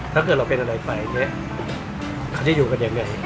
ถ้าเกิดเราเป็นอะไรไปเขาจะอยู่กันยังไง